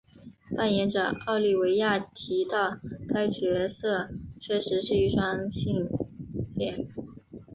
扮演者奥利维亚提到该角色确实是一个双性恋。